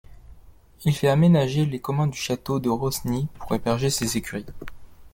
Il fait aménager les communs du château de Rosny pour héberger ses écuries.